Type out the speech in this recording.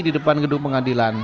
di depan gedung pengadilan